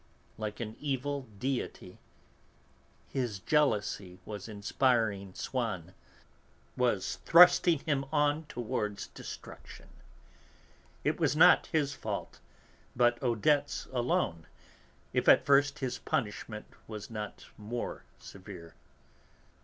Like an evil deity, his jealousy was inspiring Swann, was thrusting him on towards destruction. It was not his fault, but Odette's alone, if at first his punishment was not more severe.